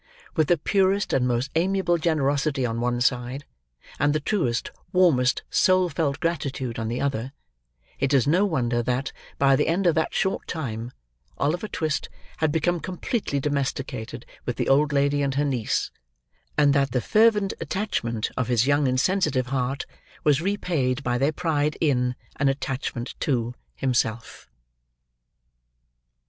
With the purest and most amiable generosity on one side; and the truest, warmest, soul felt gratitude on the other; it is no wonder that, by the end of that short time, Oliver Twist had become completely domesticated with the old lady and her niece, and that the fervent attachment of his young and sensitive heart, was repaid by their pride in, and attachment to, himself.